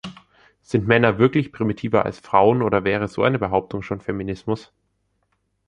Sind Männer wirklich primitiver als Frauen, oder wäre so eine Behauptung schon Feminismus?